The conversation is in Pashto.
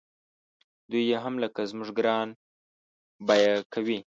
دوی یې هم لکه زموږ ګران بیه کوي.